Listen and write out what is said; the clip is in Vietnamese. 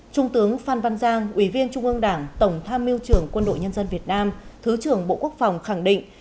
trung tướng phan văn giang ủy viên trung ương đảng tổng tham mưu trưởng quân đội nhân dân việt nam thứ trưởng bộ quốc phòng khẳng định